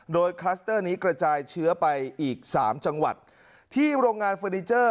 โดยคลัสเตอร์นี้กระจายเชื้อไปอีกสามจังหวัดที่โรงงานเฟอร์นิเจอร์